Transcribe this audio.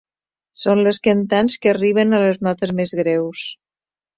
Són les cantants que arriben a les notes més greus.